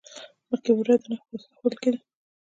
مخکې بودا د نښو په واسطه ښودل کیده